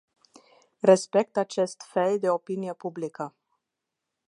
Respect acest fel de opinie publică.